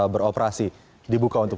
beroperasi dibuka untuk